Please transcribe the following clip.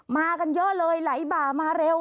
มากันเยอะเลยไหลบ่ามาเร็ว